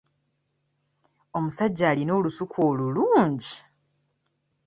Omusajja alina olusuku olulungi.